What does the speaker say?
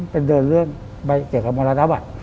ไปเดินเลื่อกไปเกี่ยวกับมรรณาวัตน์